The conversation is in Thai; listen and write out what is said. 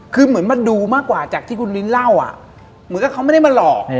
คือเหมือนมาดูมากกว่าจากที่คุณลิ้นเล่าเหมือนกับเขาไม่ได้มาหลอก